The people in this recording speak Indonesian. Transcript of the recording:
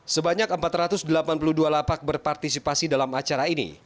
sebanyak empat ratus delapan puluh dua lapak berpartisipasi dalam acara ini